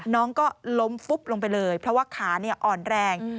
น้องก็ล้มฟุบลงไปเลยเพราะว่าขาอ่อนแรง